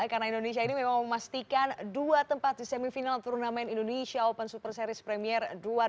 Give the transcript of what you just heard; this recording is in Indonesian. karena indonesia ini memang memastikan dua tempat di semifinal turnamen indonesia open super series premier dua ribu dua puluh